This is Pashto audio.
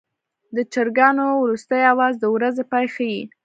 د چرګانو وروستی اواز د ورځې پای ښيي.